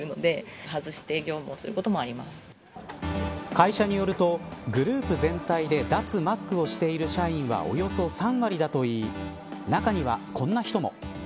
会社によると、グループ全体で脱マスクをしている社員はおよそ３割だといい中にはこんな人も。